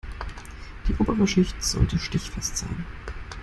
Die obere Schicht sollte stichfest sein.